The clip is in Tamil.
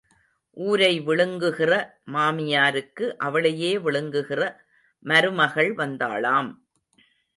ஊரை விழுங்குகிற மாமியாருக்கு அவளையே விழுங்குகிற மருமகள் வந்தாளாம்.